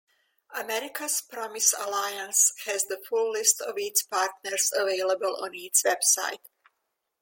America's Promise Alliance has the full list of its partners available on its website.